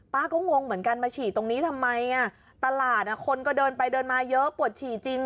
ก็งงเหมือนกันมาฉี่ตรงนี้ทำไมตลาดคนก็เดินไปเดินมาเยอะปวดฉี่จริง